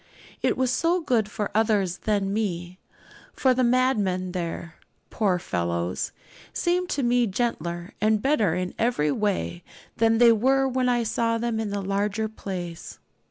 It was so for others than me; for the madmen there, poor fellows, seemed to me gentler and better in every way than they were when I saw them in the larger place.